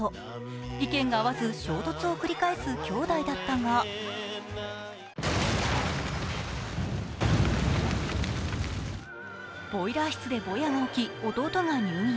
意見が合わず衝突を繰り返す兄弟だったがボイラー室でボヤが起き弟が入院。